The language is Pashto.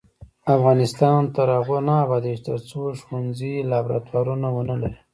افغانستان تر هغو نه ابادیږي، ترڅو ښوونځي لابراتوارونه ونه لري.